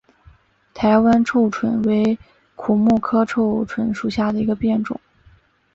台湾臭椿为苦木科臭椿属下的一个变种。